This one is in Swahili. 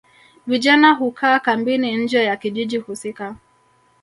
Vijana hukaa kambini nje ya kijiji husika